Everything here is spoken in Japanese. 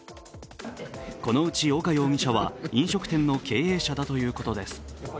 このうち岡容疑者は飲食店の経営者だということです。